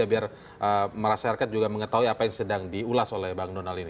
biar merasa arket juga mengetahui apa yang sedang diulas oleh bank donal ini